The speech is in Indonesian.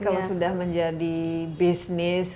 kalo sudah menjadi business